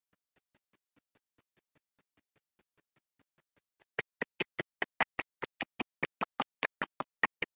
The suitcases and bags which contain your belongings are called baggage.